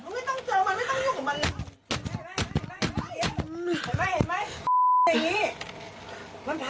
ไม่ต้องเจอมันนะครับ